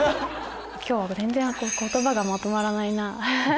今日全然言葉がまとまらないなぁ。